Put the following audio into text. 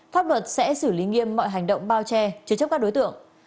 pháp luật sẽ xử lý nghiêm mọi hành động bao che chứa chấp các đối tượng